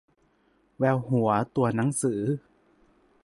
แววหัวตัวหนังสือ